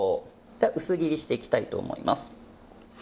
では薄切りしていきたいと思います。